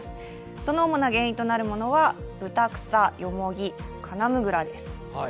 その主な原因となるものはブタクサ、ヨモギ、カナムグラです。